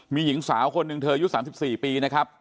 มีหญิงสาวคนหนึ่งเธออายุ๓๔ปีนะครับ